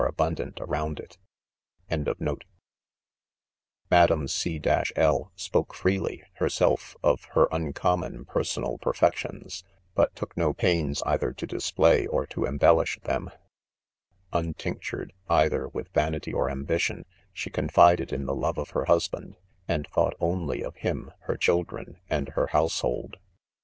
'•Madame C— 4 spoke freely, "'herself, of her mneomffiom personal perfections, but took no pains either to display or to embellish them. ' "Pntinetiired either with vanity or ambition, she confided in the love of her husband; and thought only : of him, her children and her household.